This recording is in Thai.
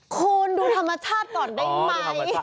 คุณดูธรรมชาติก่อนได้ไหม